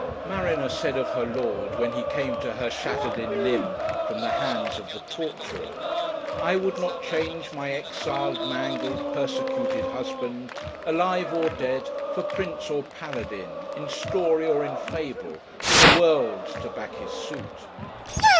Marina said of her lord, when he came to her shattered in limb, from the hands of the torturer 'I would not change My exiled, mangled, persecuted husband, Alive or dead, for prince or paladin, In story or in fable, with a world To back his suit.'